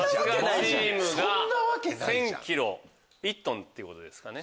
春日チームが１０００ｋｇ１ｔってことですかね。